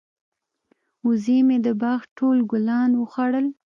وزې مې د باغ ټول ګلان وخوړل.